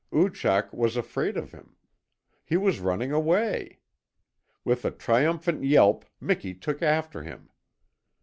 Oochak was afraid of him. He was running away! With a triumphant yelp Miki took after him.